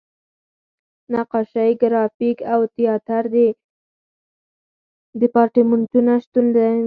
نقاشۍ، ګرافیک او تیاتر دیپارتمنټونه شتون لري.